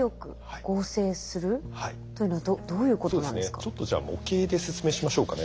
ちょっとじゃあ模型で説明しましょうかね。